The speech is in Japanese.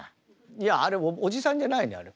いやあれおじさんじゃないねあれ。